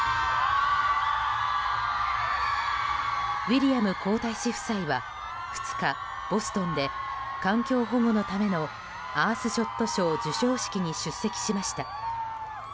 ウィリアム皇太子夫妻は２日、ボストンで環境保護のためのアースショット賞授賞式に出席しました。